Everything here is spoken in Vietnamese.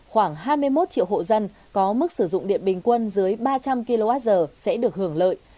khoảng hai mươi một triệu hộ dân có mức sử dụng điện bình quân dưới ba trăm linh kwh sẽ được hưởng lợi